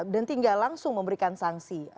dan tinggal langsung memberikan sanksi